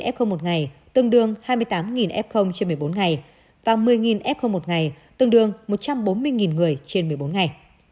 f một ngày tương đương hai mươi tám f trên một mươi bốn ngày và một mươi f một ngày tương đương một trăm bốn mươi người trên một mươi bốn ngày